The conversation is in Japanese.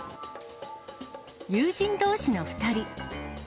友人どうしの２人。